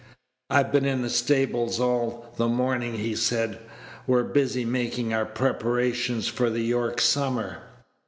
"I've been in the stables all the morning," he said. "We're busy making our preparations for the York Summer."